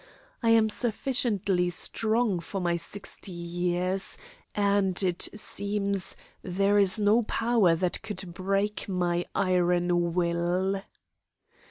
I am sufficiently strong for my sixty years, and, it seems, there is no power that could break my iron will.